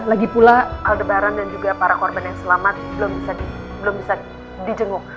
lagi pula aldebaran dan juga para korban yang selamat belum bisa dijenguk